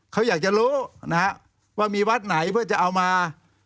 เขาอยากจะรู้นะฮะว่ามีวัดไหนเพื่อจะเอามา